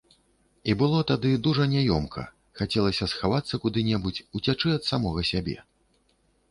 І было тады дужа няёмка, хацелася схавацца куды-небудзь, уцячы ад самога сябе.